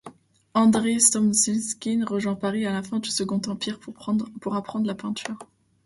André Słomczyński rejoint Paris à la fin du Second Empire pour apprendre la peinture.